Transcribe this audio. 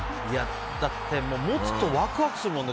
だって持つとワクワクするもんね。